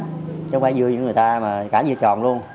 chứ không phải vui với người ta mà cả dưa tròn luôn